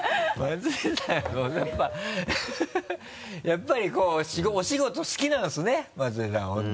やっぱりこうお仕事好きなんですね松井さん